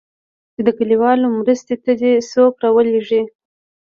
چې د كليوالو مرستې ته دې څوك راولېږي.